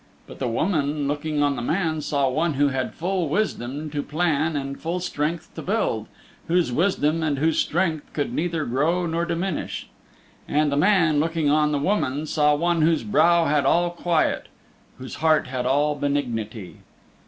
But the woman looking on the man saw one who had full wisdom to plan and full strength to build, whose wisdom and whose strength could neither grow nor diminish. And the man looking on the woman saw one whose brow had all quiet, whose heart had all benignity.